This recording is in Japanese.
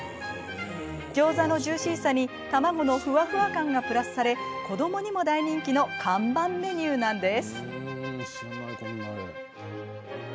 ギョーザのジューシーさに卵のふわふわ感がプラスされ子どもにも大人気の看板メニューなんです。